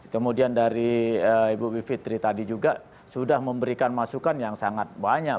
kemudian dari ibu bivitri tadi juga sudah memberikan masukan yang sangat banyak